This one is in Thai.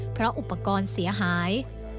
เพราะอุปกรณ์เสียหาย